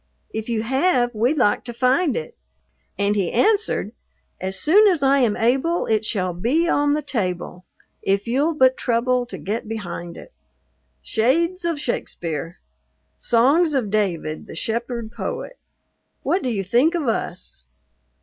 If you have, we'd like to find it." And he answered, "As soon as I am able it shall be on the table, if you'll but trouble to get behind it." Shades of Shakespeare! Songs of David, the Shepherd Poet! What do you think of us?